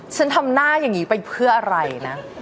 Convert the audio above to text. ฉันทำหน้าอย่างนี้ไปเพื่ออะไรนะ